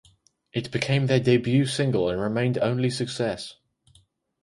It became their debut single and remained only success.